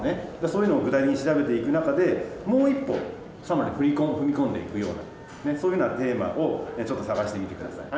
そういうのを具体的に調べていく中でもう一歩踏み込んでいくようなそういうふうなテーマをちょっと探してみて下さい。